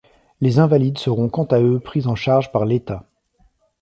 Les invalides seront quant à eux pris en charge par l'État.